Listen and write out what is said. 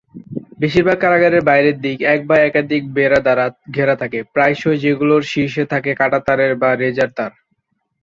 বেশিরভাগ কারাগারের বাইরের দিক এক বা একাধিক বেড়া দ্বারা ঘেরা থাকে, প্রায়শই যেগুলোর শীর্ষে থাকে কাঁটা তারের বা রেজার তার।